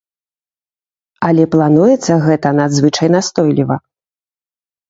Але плануецца гэта надзвычай настойліва.